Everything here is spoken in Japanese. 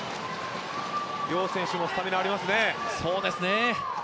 楊選手もスタミナありますね。